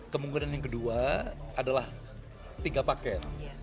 kemungkinan yang kedua adalah tiga paket